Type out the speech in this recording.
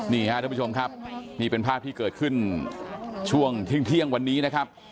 นี่ครับทุกผู้ชมครับนี่เป็นภาพที่เกิดขึ้นช่วงเที่ยงวันนี้นะครับ